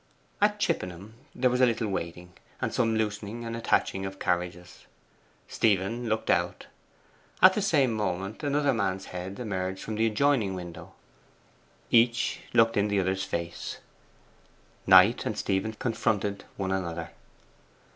At Chippenham there was a little waiting, and some loosening and attaching of carriages. Stephen looked out. At the same moment another man's head emerged from the adjoining window. Each looked in the other's face. Knight and Stephen confronted one another.